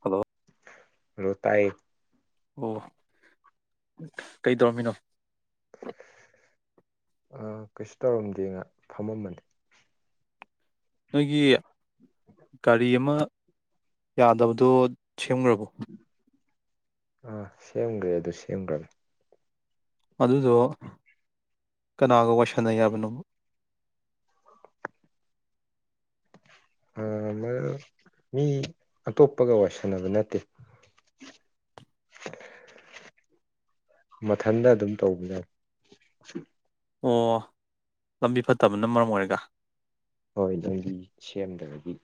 hello hello ꯇꯥꯏꯌꯦ ꯑꯣ ꯀꯩ ꯇꯧꯔꯝꯃꯤꯅꯣ ꯑ ꯀꯩꯁꯨ ꯇꯧꯔꯝꯗꯦ ꯉꯥꯛ ꯐꯝꯃꯝꯕꯅꯦ ꯅꯣꯏꯒꯤ ꯀꯔꯤ ꯑꯃ ꯌꯥꯗꯕꯗꯣ ꯁꯦꯝꯒ꯭ꯔꯕꯣ ꯑꯥ ꯁꯦꯝꯒ꯭ꯔꯦ ꯑꯗꯨ ꯁꯦꯝꯒ꯭ꯔꯕꯅꯦ ꯑꯗꯨꯗꯣ ꯀꯅꯥꯒ ꯋꯥꯏꯁꯟꯅꯩ ꯍꯥꯏꯕꯅꯣ ꯃꯤ ꯑꯇꯣꯞꯄꯒ ꯋꯥꯏꯁꯟꯅꯕ ꯅꯠꯇꯦ ꯃꯊꯟꯇ ꯑꯗꯨꯝ ꯇꯧꯕꯖꯥꯠꯅꯦ ꯑꯣ ꯂꯝꯕꯤ ꯐꯠꯇꯕꯅ ꯃꯔꯝ ꯑꯣꯏꯔꯒ ꯍꯣꯏ ꯂꯝꯕꯤ ꯁꯦꯝꯗꯕꯒꯤ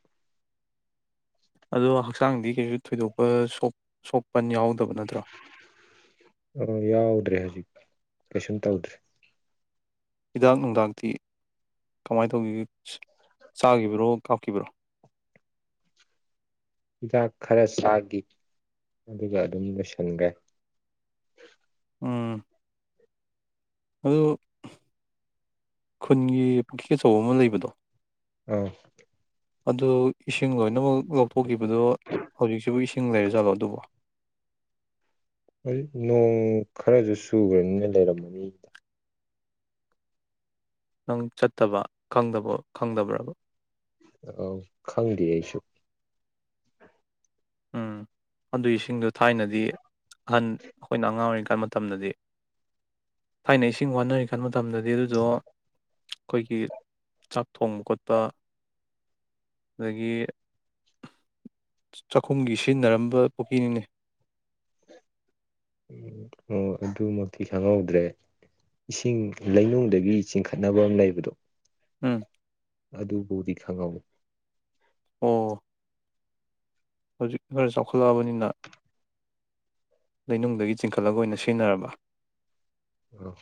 ꯑꯗꯣ ꯍꯛꯆꯥꯡꯗꯤ ꯀꯩꯁꯨ ꯊꯣꯏꯗꯣꯛꯄ ꯁꯣꯛꯄꯟ ꯌꯥꯎꯗ ꯑ ꯌꯥꯎꯗ꯭ꯔꯦ ꯍꯧꯖꯤꯛ ꯀꯩꯁꯨꯝ ꯇꯧꯗ꯭ꯔꯦ ꯍꯤꯗꯥꯛ ꯅꯨꯡꯗꯥꯛꯇꯤ ꯀꯃꯥꯏ ꯇꯧꯒꯤꯒꯦ ꯆꯥꯒꯤꯕ꯭ꯔꯣ ꯀꯥꯞꯈꯤꯕ꯭ꯔꯣ ꯍꯤꯗꯥꯛ ꯈꯔ ꯆꯥꯒꯤ ꯑꯗꯨꯒ ꯑꯗꯨꯝ ꯂꯣꯏꯁꯟꯒꯔꯦ ꯎꯝ ꯑꯗꯨ ꯈꯨꯟꯒꯤ ꯄꯨꯈ꯭ꯔꯤ ꯑꯆꯧꯕ ꯑꯃ ꯂꯩꯕꯗꯣ ꯑ ꯑꯗꯨ ꯏꯁꯤꯡ ꯂꯣꯏꯅꯃꯛ ꯂꯧꯊꯣꯛꯈꯤꯕꯗꯣ ꯍꯧꯖꯤꯛꯁꯤꯕꯨ ꯏꯁꯤꯡ ꯂꯩꯔ ꯖꯥꯠꯂꯣ ꯑꯗꯨꯕꯨ ꯅꯣꯡ ꯈꯔꯁꯨ ꯁꯨꯈ꯭ꯔꯅꯤꯅ ꯂꯩꯔꯝꯃꯅꯤ ꯅꯪ ꯆꯠꯇꯕ ꯈꯪꯗꯕ ꯈꯪꯗꯕ꯭ꯔꯕ ꯑ ꯈꯪꯗꯦ ꯑꯩꯁꯨ ꯎꯝ ꯑꯗꯨ ꯏꯁꯤꯡꯗꯣ ꯊꯥꯏꯅꯗꯤ ꯑꯍꯟ ꯑꯩꯈꯣꯏꯅ ꯑꯉꯥꯡ ꯑꯣꯏꯔꯤ ꯀꯥꯟ ꯃꯇꯝꯗꯗꯤ ꯊꯥꯏꯅ ꯏꯁꯤꯡ ꯋꯥꯅꯔꯤ ꯈꯥꯟ ꯃꯇꯝꯗꯗꯤ ꯑꯗꯨꯗꯣ ꯑꯩꯈꯣꯏꯒꯤ ꯆꯥꯛ ꯊꯣꯡꯕ ꯈꯣꯠꯄ ꯑꯗꯒꯤ ꯆꯥꯛꯈꯨꯝꯒꯤ ꯁꯤꯖꯤꯟꯅꯔꯝꯕ ꯄꯨꯈ꯭ꯔꯤꯅꯤꯅꯦ ꯎꯝ ꯑꯣ ꯑꯗꯨꯃꯛꯇꯤ ꯈꯪꯍꯧꯗ꯭ꯔꯦ ꯏꯁꯤꯡ ꯂꯩꯅꯨꯡꯗꯒꯤ ꯆꯤꯡꯈꯠꯅꯕ ꯑꯃ ꯂꯩꯕꯗꯣ ꯎꯝ ꯑꯗꯨꯕꯨꯗꯤ ꯈꯪꯍꯧ ꯑꯣ ꯍꯧꯖꯤꯛ ꯈꯔ ꯆꯥꯎꯈꯠꯂꯛꯑꯕꯅꯤꯅ ꯂꯩꯅꯨꯡꯗꯒꯤ ꯆꯤꯡꯈꯠꯂꯒ ꯑꯣꯏꯅ ꯁꯤꯖꯤꯟꯅꯔꯕ ꯎꯝ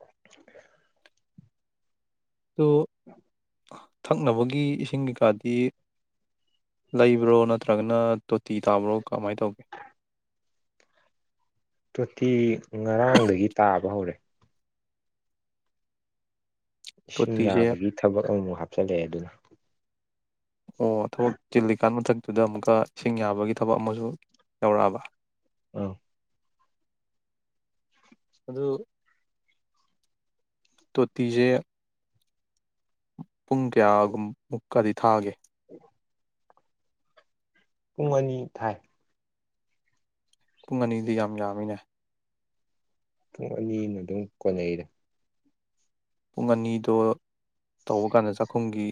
[unintelligible] ꯇꯣ ꯊꯛꯅꯕꯒꯤ ꯏꯁꯤꯡ ꯀꯩꯀꯥꯗꯤ ꯂꯩꯕ꯭ꯔꯣ ꯅꯠꯇ꯭ꯔꯒꯅ ꯇꯣꯇꯤ ꯇꯥꯕ꯭ꯔꯣ ꯀꯃꯥꯏ ꯇꯧꯒꯦ ꯇꯣꯇꯤ ꯉꯔꯥꯡꯗꯒꯤ ꯇꯥꯕ ꯍꯧꯔꯦ ꯏꯁꯤꯡ ꯇꯣꯇꯤꯁꯦ ꯌꯥꯕꯒꯤ ꯊꯕꯛ ꯑꯃꯨꯛ ꯍꯥꯞꯄ ꯍꯥꯞꯆꯜꯂꯑꯦ ꯑꯗꯨꯅ ꯑꯣ ꯊꯕꯛ ꯆꯤꯜꯂꯤꯀꯥꯟ ꯃꯊꯪ ꯑꯗꯨꯗ ꯑꯃꯨꯛꯀ ꯏꯁꯤꯡ ꯌꯥꯕꯒꯤ ꯊꯕꯛ ꯑꯃꯁꯨ ꯌꯧꯔꯛꯑꯕ ꯑ ꯑꯗꯨ ꯇꯣ ꯇꯤꯖꯦ ꯄꯨꯡ ꯀꯌꯥꯒꯨꯝꯃꯨꯛꯀꯗꯤ ꯊꯥꯒꯦ ꯄꯨꯡ ꯑꯅꯤ ꯊꯥꯏ ꯄꯨꯡ ꯑꯅꯤꯗꯤ ꯌꯥꯝ ꯌꯥꯝꯃꯤꯅꯦ ꯄꯨꯡ ꯑꯅꯤꯅ ꯑꯗꯨꯝ ꯀꯣꯟꯅꯩꯔꯦ ꯄꯨꯡ ꯑꯅꯤꯗꯣ ꯇꯧꯕ ꯀꯥꯟꯗ ꯆꯥꯛꯈꯨꯝꯒꯤ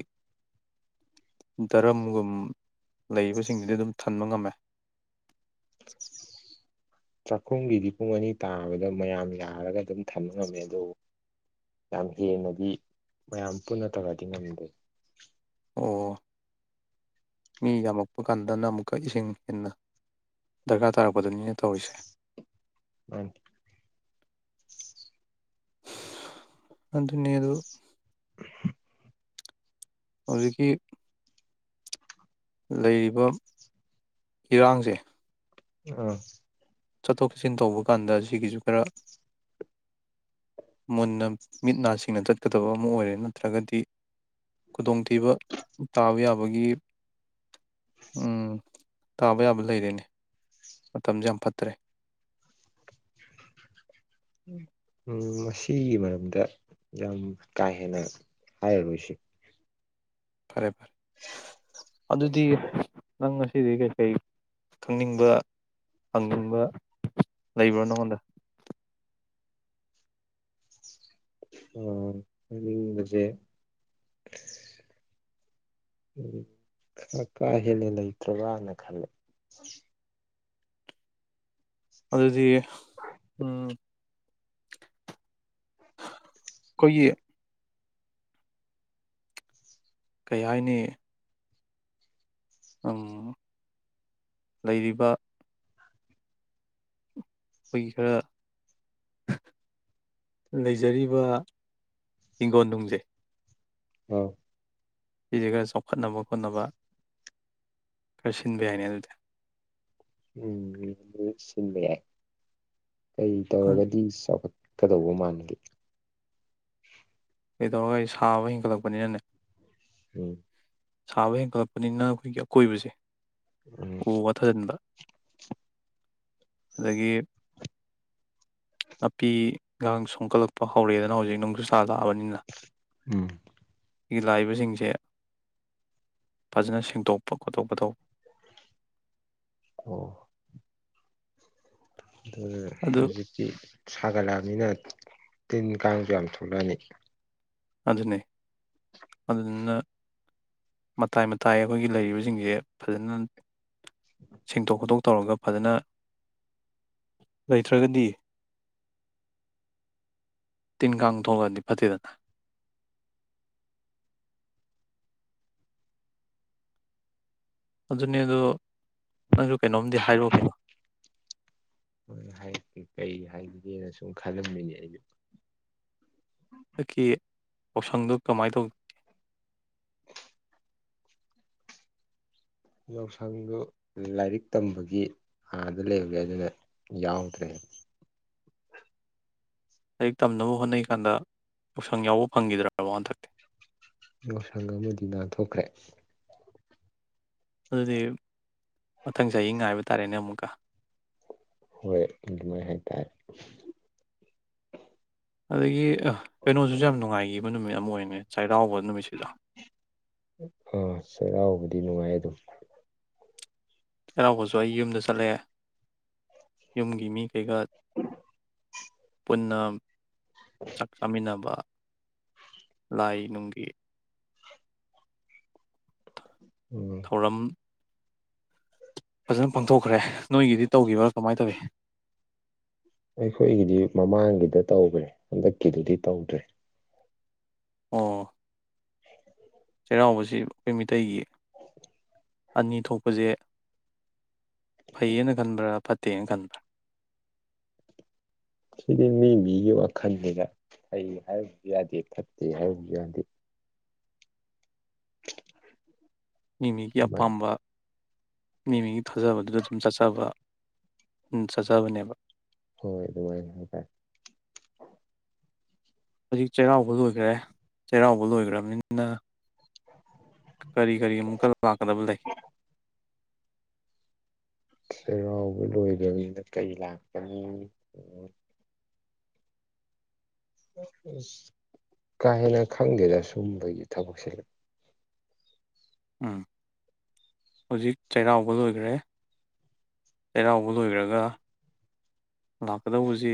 ꯗꯔꯝꯒꯨꯝ ꯂꯩꯕꯁꯤꯡꯗꯨꯗꯤ ꯑꯗꯨꯝ ꯊꯟꯕ ꯉꯝꯃꯦ ꯆꯥꯛꯈꯨꯝꯒꯤꯗꯤ ꯄꯨꯡ ꯑꯅꯤ ꯇꯥꯕꯗ ꯃꯌꯥꯝ ꯌꯥꯔꯒ ꯑꯗꯨꯝ ꯊꯝꯕ ꯉꯝꯃꯦ ꯑꯗꯨꯕꯨ ꯌꯥꯝ ꯍꯦꯟꯅꯗꯤ ꯃꯌꯥꯝ ꯄꯨꯟꯅ ꯇꯧꯔꯗꯤ ꯉꯝꯗꯦ ꯑꯣ ꯃꯤ ꯌꯥꯝꯃꯛꯄ ꯀꯥꯟꯗꯅ ꯑꯃꯨꯛꯀ ꯏꯁꯤꯡ ꯍꯦꯟꯅ ꯗꯔꯀꯥꯔ ꯇꯥꯔꯛꯄꯗꯅꯤꯅ ꯇꯧꯔꯤꯁꯦ ꯑꯪ ꯑꯗꯨꯅꯦ ꯑꯗꯨ ꯍꯧꯖꯤꯛꯀꯤ ꯂꯩꯔꯤꯕ ꯏꯔꯥꯡꯁꯦ ꯑꯥ ꯆꯠꯊꯣꯛ ꯆꯠꯁꯤꯟ ꯇꯧꯕ ꯀꯥꯟꯗ ꯑꯁꯤꯒꯤꯁꯨ ꯈꯔ ꯃꯨꯟꯅ ꯃꯤꯠ ꯅꯥ ꯁꯤꯡꯅ ꯆꯠꯀꯗꯕ ꯑꯃ ꯑꯣꯏꯔꯦ ꯅꯠꯇ꯭ꯔꯒꯗꯤ ꯈꯨꯗꯣꯡꯊꯤꯕ ꯇꯥꯕ ꯌꯥꯕꯒꯤ ꯎꯝ ꯇꯥꯕ ꯌꯥꯕ ꯂꯩꯔꯦꯅꯦ ꯃꯇꯝꯁꯦ ꯌꯥꯝ ꯐ ꯇ꯭ꯔꯦ ꯎ ꯃꯁꯤꯒꯤ ꯃꯔꯝꯗ ꯌꯥꯝ ꯀꯥ ꯍꯦꯟꯅ ꯍꯥꯏꯔꯔꯣꯏꯁꯤ ꯐꯔꯦ ꯐꯔꯦ ꯑꯗꯨꯗꯤ ꯅꯪ ꯉꯁꯤꯗꯤ ꯀꯩꯀꯩ ꯈꯪꯅꯤꯡꯕ ꯍꯪꯅꯤꯡꯕ ꯂꯩꯕ꯭ꯔꯥ ꯅꯪꯉꯣꯟꯗ ꯑ ꯍꯥꯏꯅꯤꯡꯕꯁꯦ ꯈꯔ ꯀꯥ ꯍꯦꯟꯅ ꯂꯩꯇ꯭ꯔꯕ꯭ꯔꯅ ꯈꯜꯂꯦ ꯑꯗꯨꯗꯤ ꯎꯝ [inaudible] ꯑꯩꯈꯣꯏꯒꯤ ꯀꯩ ꯍꯥꯏꯅꯤ ꯑꯪ ꯂꯩꯔꯤꯕ ꯑꯩꯈꯣꯏꯒꯤ ꯈꯔ ꯂꯩꯖꯔꯤꯕ ꯍꯤꯡꯒꯣꯜꯅꯨꯡꯁꯦ ꯑ ꯁꯤꯁꯦ ꯈꯔ ꯆꯥꯎꯈꯠꯅꯕ ꯈꯣꯠꯅꯕ ꯈꯔ ꯁꯤꯟꯕ ꯌꯥꯏꯅꯦ ꯑꯗꯨꯗꯤ ꯎꯝ ꯁꯤꯟꯕ ꯌꯥꯏ ꯀꯔꯤ ꯇꯧꯔꯒꯗꯤ ꯆꯥꯎꯈꯠ ꯀꯩꯗꯧꯕ ꯃꯥꯟꯗꯦ ꯀꯩꯗꯧ [unintelligible] ꯁꯥꯕ ꯍꯦꯟꯒꯠꯂꯛꯄꯅꯤꯅꯅꯦ ꯎꯝ ꯁꯥꯕ ꯍꯦꯟꯒꯠꯂꯛꯄꯅꯤꯅ ꯑꯩꯈꯣꯏꯒꯤ ꯑꯀꯣꯏꯕꯁꯦ ꯎꯝ ꯑꯣ ꯋꯥ ꯊꯖꯟꯕ ꯑꯗꯒꯤ ꯅꯥꯄꯤ [unintelligible] ꯁꯣꯛꯀꯠꯂꯛꯄ ꯍꯧꯔꯦꯅ ꯍꯧꯖꯤꯛ ꯅꯨꯡꯁꯨ ꯊꯥ ꯂꯥꯛꯑꯕꯅꯤꯅ ꯎꯝ ꯁꯤ ꯂꯥꯛꯏꯕꯁꯤꯡꯁꯦ ꯐꯖꯅ ꯁꯦꯡꯗꯣꯛꯄ ꯈꯣꯠꯇꯣꯛꯄ ꯇꯧꯕ ꯑꯣ ꯑꯗꯨ ꯑꯗꯨ ꯍꯧꯖꯤꯛꯇꯤ ꯁꯥꯒꯠꯂ ꯅꯤꯅ ꯇꯤꯟ ꯀꯥꯡꯁꯨ ꯌꯥꯝ ꯊꯣꯛꯂꯛꯑꯅꯤ ꯑꯗꯨꯅꯤ ꯑꯗꯨꯗꯨꯅ ꯃꯇꯥꯏ ꯃꯇꯥꯏ ꯑꯩꯈꯣꯏꯒꯤ ꯂꯩꯔꯤꯕꯁꯤꯡꯁꯦ ꯐꯖꯅ ꯁꯦꯡꯗꯣꯛ ꯈꯣꯠꯇꯣꯛ ꯇꯧꯔꯒ ꯐꯖꯅ ꯂꯩꯇ꯭ꯔꯒꯗꯤ ꯇꯤꯟ ꯀꯥꯡ ꯊꯣꯛꯂꯛꯑꯗꯤ ꯐꯠꯇꯦꯗꯅ ꯑꯗꯨꯅꯦ ꯑꯗꯨ ꯅꯪꯁꯨ ꯀꯩꯅꯣꯝꯗꯤ ꯍꯥꯏꯔꯛꯑꯣ ꯀꯩꯅꯣ ꯍꯥꯏꯗꯤ ꯑꯁꯨꯝ ꯈꯜꯂꯝꯃꯤꯅꯦ ꯑꯩꯁꯨ ꯍꯛꯀꯤ ꯌꯥꯎꯁꯪꯗꯨ ꯀꯃꯥꯏꯅ ꯇꯧꯒꯦ [inaudible] ꯌꯥꯎꯁꯪꯗꯨ ꯂꯥꯏꯔꯤꯛ ꯇꯝꯕꯒꯤ ꯑꯥꯗ ꯂꯩꯔꯨꯔꯦ ꯑꯗꯨꯅ ꯌꯥꯎꯗ꯭ꯔꯦ ꯂꯥꯏꯔꯤꯛ ꯇꯝꯅꯕ ꯍꯣꯠꯅꯩ ꯀꯥꯟꯗ ꯌꯥꯎꯁꯪ ꯌꯥꯎꯕ ꯐꯪꯈꯤꯗ꯭ꯔꯕ ꯍꯟꯗꯛꯇꯤ ꯌꯥꯎꯁꯪ ꯑꯃꯗꯤ ꯅꯥꯟꯊꯣꯛꯈ꯭ꯔꯦ ꯑꯗꯨꯗꯤ ꯃꯊꯪ ꯆꯍꯤ ꯉꯥꯏꯕ ꯇꯥꯔꯦꯅꯦ ꯑꯃꯨꯛꯀ ꯍꯣꯏ ꯑꯗꯨꯃꯥꯏ ꯍꯥꯏꯇꯥꯔꯦ ꯑꯗꯒꯤ ꯀꯩꯅꯣꯁꯤꯁꯨ ꯌꯥꯝ ꯅꯨꯡꯉꯥꯏꯈꯤꯕ ꯅꯨꯃꯤꯠ ꯑꯃ ꯑꯣꯏꯒꯤꯕꯅꯤ ꯆꯩꯔꯥꯎꯕꯗꯨ ꯑꯥ ꯆꯩꯔꯥꯎꯕꯗꯤ ꯅꯨꯡꯉꯥꯏ [inaudible] ꯆꯩꯔꯥꯎꯕꯁꯨ ꯑꯩ ꯌꯨꯝꯗ ꯆꯠꯂꯛꯑꯦ ꯌꯨꯝꯒꯤ ꯃꯤ ꯀꯩꯀꯥ ꯎ ꯄꯨꯟꯅ ꯆꯥꯛ ꯆꯥꯃꯤꯟꯅꯕ ꯂꯥꯏ ꯅꯨꯡꯒꯤ ꯎꯝ ꯊꯧꯔꯝ ꯐꯖꯅ ꯄꯥꯡꯊꯣꯛꯈ꯭ꯔꯦ ꯅꯣꯏꯒꯤꯗꯤ ꯇꯧꯈꯤꯕ꯭ꯔꯥ ꯀꯃꯥꯏꯅ ꯇꯧꯏ ꯑꯩꯈꯣꯏꯒꯤꯗꯤ ꯃꯃꯥꯡꯒꯤꯗ ꯇꯈ꯭ꯔꯦ ꯍꯟꯗꯛꯀꯤꯗꯨꯗꯤ ꯇꯧꯗ꯭ꯔꯦ ꯑ ꯆꯩꯔꯥꯎꯕꯁꯤ ꯑꯩꯈꯣꯏ ꯃꯤꯇꯩꯒꯤ ꯑꯅꯤ ꯊꯣꯛꯄꯁꯦ ꯐꯩꯌꯦꯅ ꯈꯟꯕ꯭ꯔꯥ ꯐꯠꯇꯦꯅ ꯈꯟꯕ꯭ꯔꯥ ꯁꯤꯗꯤ ꯃꯤ ꯃꯤꯒꯤ ꯋꯥꯈꯜꯁꯤꯅ ꯐꯩ ꯍꯥꯏꯔꯕꯁꯨ ꯌꯥꯗꯦ ꯐꯠꯇꯦ ꯍꯥꯏꯔꯕꯁꯨ ꯌꯥꯗꯦ [inaudible] ꯃꯤꯃꯤꯒꯤ ꯑꯗꯨꯃꯥꯏꯅ ꯑꯄꯥꯝꯕ ꯃꯤꯃꯤꯒꯤ ꯊꯥꯖꯕꯗꯨꯗ ꯑꯗꯨ ꯆꯠꯆꯕ ꯆꯠꯆꯕꯅꯦꯕ ꯍꯣꯏ ꯑꯗꯨꯃꯥꯏꯅ ꯇꯥꯏ ꯍꯧꯖꯤꯛ ꯆꯩꯔꯥꯎꯕ ꯂꯣꯏꯈ꯭ꯔꯦ ꯆꯩꯔꯥꯎꯕ ꯂꯣꯏꯈ꯭ꯔꯕꯅꯤꯅ ꯀꯔꯤ ꯀꯔꯤ ꯑꯃꯨꯛꯀ ꯂꯥꯛꯀꯗꯕ ꯂꯩ ꯆꯩꯔꯥꯎꯕ ꯂꯣꯏꯗꯕꯅꯤꯅ ꯀꯩ ꯂꯥꯛꯀꯅꯤ ꯑ ꯀꯥ ꯍꯦꯟꯅ ꯈꯪꯒꯦꯗ ꯁꯨꯝꯕꯒꯤ ꯊꯕꯛꯁꯤ ꯎꯝ ꯍꯧꯖꯤꯛ ꯆꯩꯔꯥꯎꯕ ꯂꯣꯏꯈ꯭ꯔꯦ ꯆꯩꯔꯥꯎꯕ ꯂꯣꯏꯈ꯭ꯔꯒ ꯂꯥꯛꯀꯗꯧꯕꯁꯤ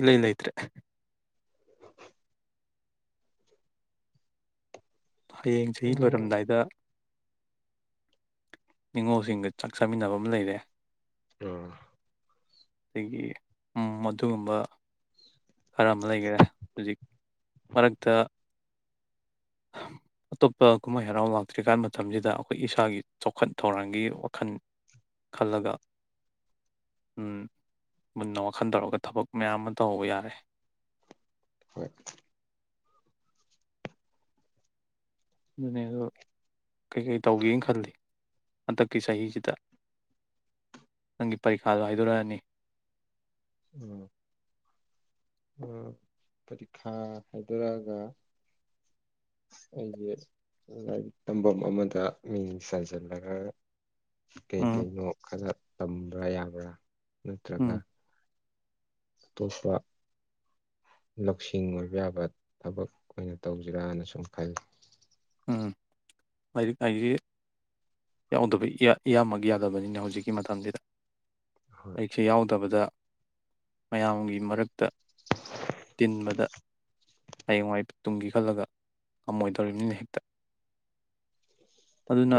ꯏꯂ ꯏꯅ ꯂꯩꯇ꯭ꯔꯦ ꯍꯌꯦꯡ ꯆꯍꯤ ꯎꯝ ꯂꯣꯏꯔꯝꯗꯥꯏꯗ ꯅꯤꯡꯅꯤꯉꯣꯜꯁꯤꯡꯒ ꯆꯥꯛ ꯆꯃꯤꯟꯅꯕ ꯑꯃ ꯂꯩꯔꯦ ꯎꯝ ꯑꯗꯒꯤ ꯑꯗꯨꯒꯨꯝꯕ ꯈꯔ ꯑꯃ ꯂꯩꯈꯔꯦ ꯍꯧꯖꯤꯛ ꯃꯔꯛꯇ ꯑꯇꯣꯞꯄ ꯀꯨꯝꯍꯩ ꯍꯔꯥꯎ ꯂꯥꯛꯇ꯭ꯔꯤꯀꯥꯟ ꯃꯇꯝꯁꯤꯗ ꯑꯩꯈꯣꯏ ꯏꯁꯥꯒꯤ ꯆꯥꯎꯈꯠ ꯊꯧꯔꯥꯡꯒꯤ ꯋꯥꯈꯜ ꯈꯜꯂꯒ ꯃꯨꯟꯅ ꯋꯥꯈꯜ ꯇꯧꯔꯒ ꯊꯕꯛ ꯃꯌꯥꯝ ꯑꯃ ꯇꯧꯍꯧꯕ ꯌꯥꯔꯦ ꯍꯣꯏ ꯑꯗꯨꯅꯦ ꯑ ꯀꯩꯀꯩ ꯇꯧꯒꯦꯅ ꯈꯜꯂꯤ ꯍꯟꯗꯛꯀꯤ ꯆꯍꯤꯁꯤꯗ ꯅꯪꯒꯤ ꯄꯔꯤꯈꯥꯗꯣ ꯍꯥꯏꯗꯣꯔꯛꯑꯅꯤ ꯎꯝ ꯄꯔꯤꯈꯥ ꯍꯥꯏꯗꯣꯔꯛꯑꯒ ꯑꯩꯁꯦ ꯂꯥꯏꯔꯤꯛ ꯇꯝꯐꯝ ꯑꯃꯗ ꯃꯤꯡ ꯆꯟꯁꯤꯜꯂꯒ ꯎꯝ ꯀꯩꯀꯩꯩꯅꯣ ꯈꯔ ꯇꯝꯕ꯭ꯔ ꯌꯥꯕ ꯅꯠꯇ꯭ꯔꯕ ꯎꯝ ꯑꯇꯣꯞꯄ ꯂꯧꯁꯤꯡ ꯑꯣꯏꯕ ꯌꯥꯕ ꯊꯕꯛ ꯑꯣꯏꯅ ꯇꯧꯁꯤꯔꯥꯅ ꯁꯨꯝ ꯈꯜꯂꯤ ꯎꯝ ꯂꯥꯏꯔꯤꯛ ꯂꯥꯏꯁ ꯌꯥꯎꯗꯕ ꯏꯌꯥꯝꯕꯒ ꯐꯠꯇꯕꯅꯤꯅ ꯍꯧꯖꯤꯛꯀꯤ ꯃꯇꯝꯁꯤꯗ ꯍꯣꯏ ꯑꯩꯛꯁꯦ ꯌꯥꯎꯗꯕꯗ ꯃꯌꯥꯝꯒꯤ ꯃꯔꯛꯇ ꯇꯤꯟꯕꯗ ꯍꯌꯦꯡꯋꯥꯏ ꯇꯨꯝꯒ ꯈꯜꯂꯒ ꯉꯝꯃꯣꯏꯗꯧꯔꯤꯕꯅꯤꯅ ꯍꯦꯛꯇ ꯑꯗꯨꯅ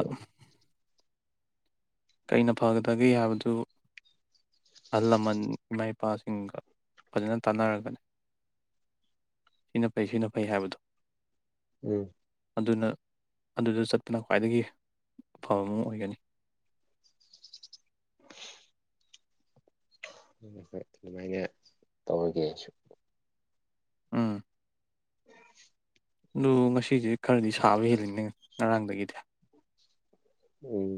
ꯀꯩꯅ ꯐꯒꯗꯒꯦ ꯍꯥꯏꯕꯗꯨ ꯑꯍꯜ ꯂꯃꯟ ꯏꯃꯥ ꯏꯄꯥꯁꯤꯡꯒ ꯐꯖꯅ ꯇꯥꯟꯅꯔꯒꯅꯤ ꯁꯤꯅ ꯐꯩ ꯁꯤꯅ ꯐꯩ ꯍꯥꯏꯕꯗꯣ ꯎꯝ ꯑꯗꯨꯅ ꯑꯗꯨꯗ ꯆꯠꯄꯅ ꯈ꯭ꯋꯥꯏꯗꯒꯤ ꯑꯐꯕ ꯑꯃ ꯑꯣꯏꯒꯅꯤ ꯍꯣꯏ ꯑꯗꯨꯃꯥꯏꯅ ꯇꯧꯔꯒꯦ ꯑꯩꯁꯨ ꯎꯝ [inaudible] ꯑꯗꯨ ꯉꯁꯤꯁꯦ ꯈꯔꯗꯤ ꯁꯥꯕ ꯍꯦꯜꯂꯤꯅꯦ ꯉꯔꯥꯡꯗꯒꯤꯗꯤ ꯎꯝ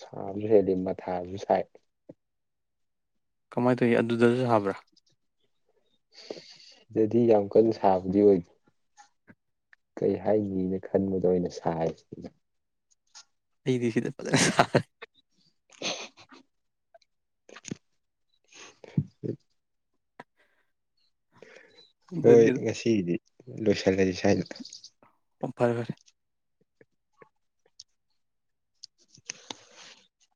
ꯁꯥꯕ [unintelligible] ꯑꯗꯨ ꯃꯊꯥꯁꯨ ꯁꯥꯏ ꯀꯃꯥꯏꯅ ꯇꯧꯏ ꯑꯗꯨꯗꯁꯨ ꯁꯥꯕ꯭ꯔꯥ ꯁꯤꯗꯗꯤ ꯌꯥꯝ ꯀꯟꯅ ꯁꯥꯕꯗꯤ ꯑꯣꯏꯗꯦ ꯀꯩ ꯍꯥꯏꯒꯤꯅ ꯈꯟꯕꯗꯣ ꯑꯣꯏꯅ ꯁꯔꯤꯁꯤ ꯑꯩꯗꯤ ꯁꯤꯗ [unintelligible] [inaudible] ꯍꯣꯏ ꯑꯗꯨꯅꯤ ꯉꯁꯤꯗꯤ ꯂꯣꯏꯁꯜꯂꯖꯤ ꯁꯥꯏꯗ ꯐꯔꯦ ꯐꯔꯦ